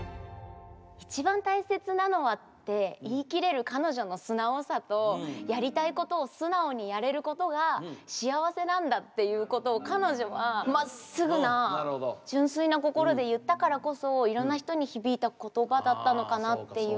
「一番大切なのは」って言い切れる彼女の素直さとっていうことを彼女はまっすぐな純粋な心で言ったからこそいろんな人に響いた言葉だったのかなっていう。